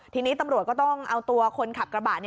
ทีนี้ตำรวจก็ต้องเอาตัวคนขับกระบะ